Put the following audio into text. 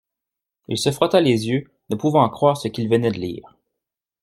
Il se frotta les yeux, ne pouvant croire ce qu’il venait de lire.